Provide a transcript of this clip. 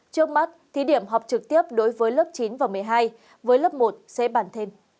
trước mắt thí điểm học trực tiếp đối với lớp chín và một mươi hai với lớp một sẽ bàn thêm